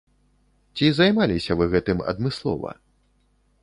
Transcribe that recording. Ці займаліся вы гэтым адмыслова?